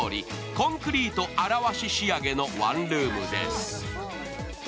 コンクリート現し仕上げのワンルームです。